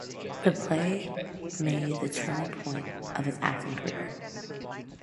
The play made the turning point of his acting career.